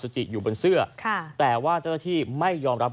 เธอเล่าต่อนะครับ